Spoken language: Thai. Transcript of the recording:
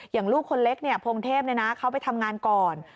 ลูกคนเล็กพงเทพเขาไปทำงานก่อน